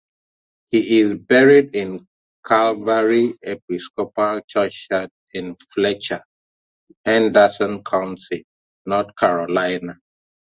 He is buried in Calvary Episcopal Churchyard in Fletcher, Henderson County, North Carolina.